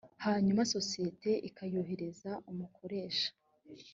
hanyuma sosiyete ikayoherereza umukoresha